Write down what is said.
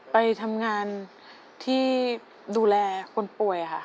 ไปทำงานที่ดูแลคนป่วยค่ะ